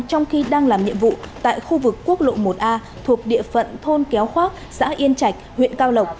trong khi đang làm nhiệm vụ tại khu vực quốc lộ một a thuộc địa phận thôn kéo khóac xã yên chạch huyện cao lộc